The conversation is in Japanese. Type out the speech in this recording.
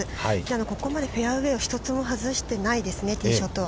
ここまでフェアウェイを一つも外してないですね、ティーショットを。